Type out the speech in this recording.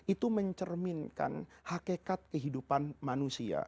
itu mencerminkan hakikat kehidupan manusia